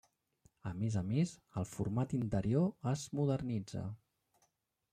A més a més, el format interior es modernitza.